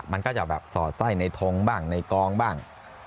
มันก็จะส่อใส่ในทองบ้างในกองบ้าง